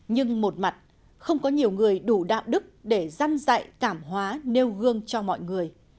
nhưng một mặt không có nhiều người đủ đạo đức để dăn dậy cảm hóa nêu gương cho mọi người